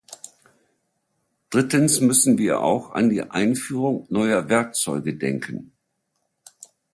Drittens müssen wir auch an die Einführung neuer Werkzeuge denken.